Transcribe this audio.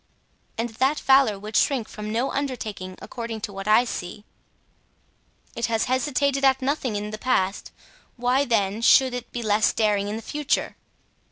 "And that valor would shrink from no undertaking, according to what I see." "It has hesitated at nothing in the past; why, then, should it be less daring in the future?"